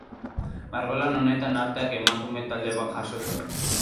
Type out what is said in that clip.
Margolan honetan Artetak emakume talde bat jaso zuen.